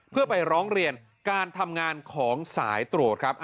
เพื่อไปร้องเรียนการทำงานของสายตรวจครับ